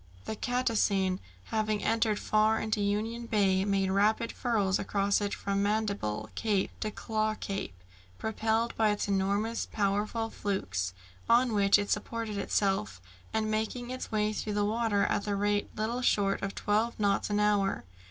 The cetacean, having entered far into Union Bay, made rapid furrows across it from Mandible Cape to Claw Cape, propelled by its enormously powerful flukes, on which it supported itself, and making its way through the water at the rate little short of twelve knots an hour.